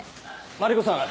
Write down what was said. マリコさん